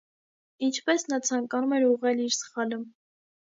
Ինչպե՜ս նա ցանկանում էր ուղղել իր սխալը…